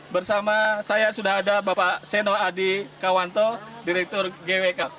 bersama saya sudah ada bapak seno adi kawanto direktur gwk